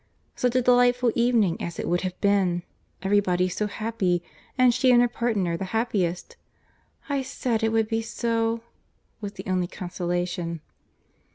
—Such a delightful evening as it would have been!—Every body so happy! and she and her partner the happiest!—"I said it would be so," was the only consolation.